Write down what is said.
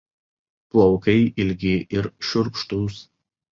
Plaukai ilgi ir šiurkštūs.